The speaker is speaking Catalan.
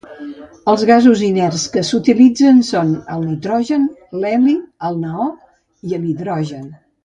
Els gasos inerts que s'utilitzen són el nitrogen, l'heli, el neó i l'hidrogen.